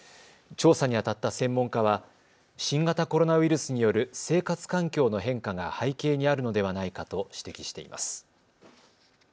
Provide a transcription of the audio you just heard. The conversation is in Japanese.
調査にあたった専門家は新型コロナウイルスによる生活環境の変化が背景にあるのではないかと指摘しています。